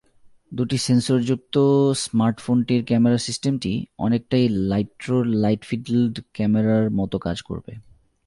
দুটি সেন্সরযুক্ত স্মার্টফোনটির ক্যামেরা সিস্টেমটি অনেকটাই লাইট্রোর লাইট-ফিল্ড ক্যামেরার মতো কাজ করবে।